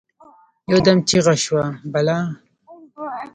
يودم چیغه شوه: «بلا!»